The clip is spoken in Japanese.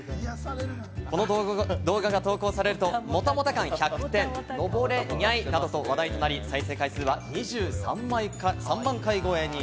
この動画が投稿されると、モタモタ感１００点、登れニャイなどと話題になり、再生回数は２３万回超えに。